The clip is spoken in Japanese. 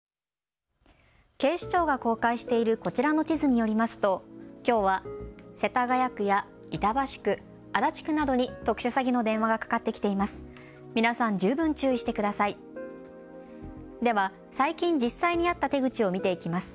警視庁が公開しているこちらの地図によりますときょうは世田谷区や板橋区、足立区などに特殊詐欺の電話がかかってきています。